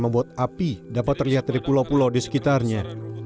membuat api dapat terlihat dari pulau pulau di sekitarnya